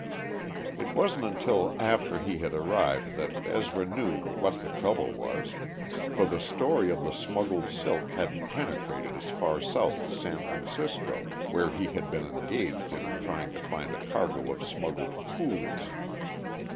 It wasn't until after he had arrived that Ezra knew what the trouble was, for the story of the smuggled silk hadn't penetrated as far south as San Francisco, where he had been engaged in trying to find a cargo of smuggled coolies.